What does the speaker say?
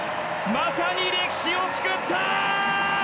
まさに歴史を作った！